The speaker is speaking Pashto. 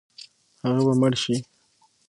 هغه به مړ شي.